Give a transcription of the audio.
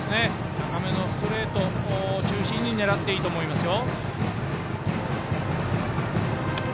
高めのストレート中心に狙っていいと思いますよ。